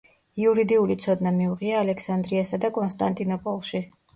იურიდიული ცოდნა მიუღია ალექსანდრიასა და კონსტანტინოპოლში.